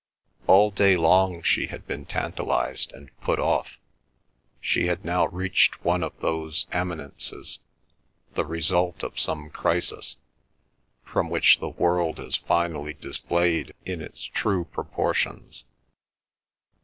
All day long she had been tantalized and put off. She had now reached one of those eminences, the result of some crisis, from which the world is finally displayed in its true proportions.